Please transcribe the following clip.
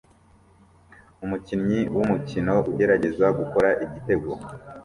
Umukinnyi wumukino ugerageza gukora igitego